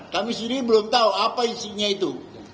kami sendiri belum tahu apa isinya itu